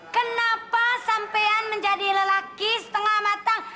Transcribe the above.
kenapa sampean menjadi lelaki setengah matang